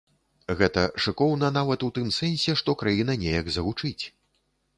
Гэта шыкоўна нават у тым сэнсе, што краіна неяк загучыць.